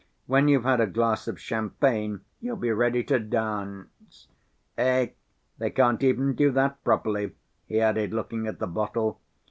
When you've had a glass of champagne, you'll be ready to dance. Eh, they can't even do that properly," he added, looking at the bottle.